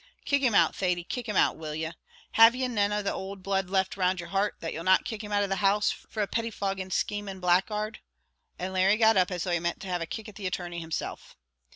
"Kick him out, Thady: kick him out, will ye? Have ye none of the owld blood left round your heart, that you'll not kick him out of the house, for a pettifogging schaming blackguard!" and Larry got up as though he meant to have a kick at the attorney himself.